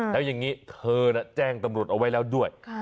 แล้วอย่างนี้เธอแจ้งตำรวจเอาไว้แล้วด้วย